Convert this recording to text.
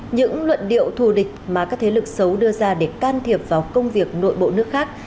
những luận điệu thù địch mà các thế lực xấu đưa ra để can thiệp vào công việc nội bộ nước khác